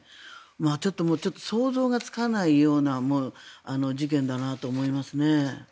ちょっと想像がつかないような事件だなと思いますね。